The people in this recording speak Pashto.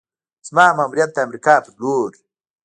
زما ماموریت د امریکا پر لور: